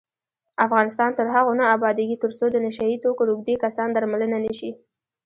افغانستان تر هغو نه ابادیږي، ترڅو د نشه یي توکو روږدي کسان درملنه نشي.